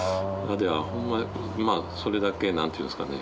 ほんまそれだけ何ていうんですかね